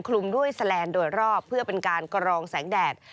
คลุมด้วยแสลนด์โดยรอบเพื่อเป็นการกรองแสงแดด